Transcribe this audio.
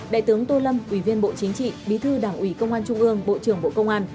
đại tướng tô lâm ủy viên bộ chính trị bí thư đảng ủy công an trung ương bộ trưởng bộ công an